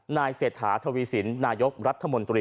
เศรษฐาทวีสินนายกรัฐมนตรี